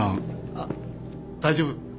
あっ大丈夫。